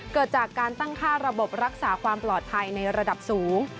เกิดจากการตั้งค่าระบบรักษาความปลอดภัยในระดับสูง